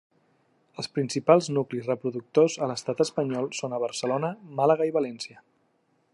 Els principals nuclis reproductors a l'estat Espanyol són a Barcelona, Màlaga i València.